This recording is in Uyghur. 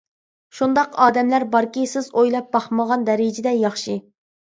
شۇنداق ئادەملەر باركى سىز ئويلاپ باقمىغان دەرىجىدە ياخشى.